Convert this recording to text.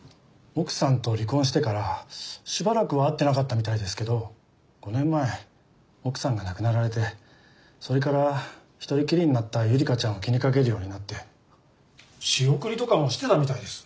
奥さんと離婚してからしばらくは会ってなかったみたいですけど５年前奥さんが亡くなられてそれから一人きりになった百合香ちゃんを気にかけるようになって仕送りとかもしてたみたいです。